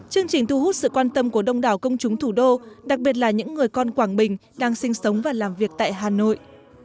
chương trình thu hút sự quan tâm của đông đảo công chúng thủ đô đặc biệt là những người con quảng bình đang sinh sống và làm việc tại hà nội